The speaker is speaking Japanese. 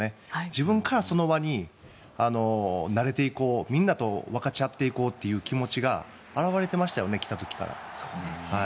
自分からその輪に慣れていこうみんなと分かち合っていこうという気持ちが表れていましたよね来た時から。